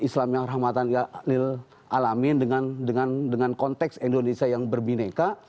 islam yang rahmatan yalil alamin dengan konteks indonesia yang berbineka